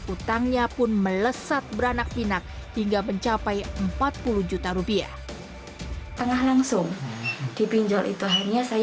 utangnya pun melesat beranak pinak hingga mencapai empat puluh juta rupiah